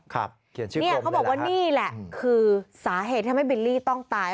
เขาบอกว่านี่แหละคือสาเหตุทำให้บิลลี่ต้องตาย